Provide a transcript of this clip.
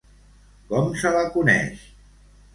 Com se la coneix?